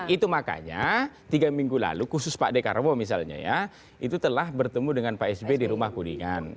itu makanya tiga minggu lalu khusus pak dekarwo misalnya ya itu telah bertemu dengan pak sby di rumah kudingan